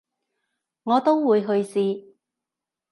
我都會去試